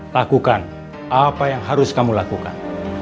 lakukan apa yang harus kamu lakukan